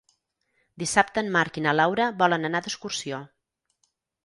Dissabte en Marc i na Laura volen anar d'excursió.